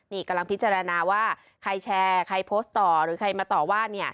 นี่กำลังพิจารณาว่าใครแชร์ใครโพสต์ต่อหรือใครมาต่อว่า